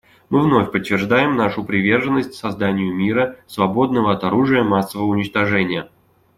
Мы вновь подтверждаем нашу приверженность созданию мира, свободного от оружия массового уничтожения.